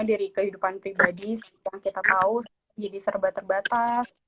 dari kehidupan pribadi seperti yang kita tahu jadi serba terbatas